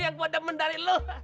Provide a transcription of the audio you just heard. ini yang gue demen dari lo